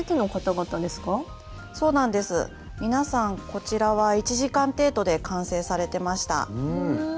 皆さんこちらは１時間程度で完成されてました。